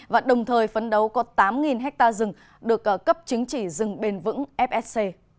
và đồng thời phấn đấu có tám ha rừng được cấp chứng chỉ rừng bền vững fsc